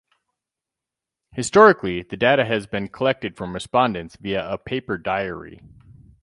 Historically, the data has been collected from respondents via a paper diary.